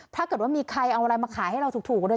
ถ้าเกิดว่ามีใครเอาอะไรมาขายให้เราถูกเลย